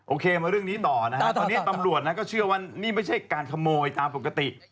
โอเคมาเรื่องนี้ต่อนะฮะตอนนี้ตำรวจก็เชื่อว่านี่ไม่ใช่การขโมยตามปกติ